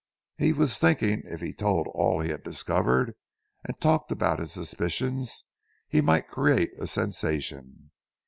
He was thinking, if he told all he had discovered and talked about his suspicions, he might create a sensation.